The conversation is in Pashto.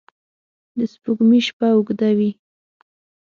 د سپوږمۍ شپه اوږده وي